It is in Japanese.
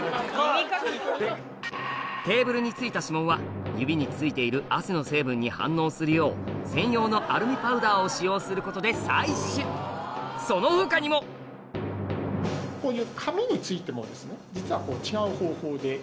テーブルについた指紋は指についている汗の成分に反応するよう専用のアルミパウダーを使用することで採取その他にもこういう。